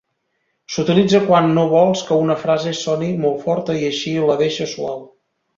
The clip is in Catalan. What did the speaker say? S'utilitza quan no vols que una frase soni molt forta i així la deixes suau.